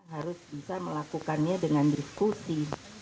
harus bisa melakukannya dengan diskusi